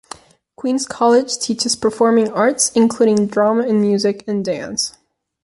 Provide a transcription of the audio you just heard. Queen's College teaches performing arts, including drama and music, and dance.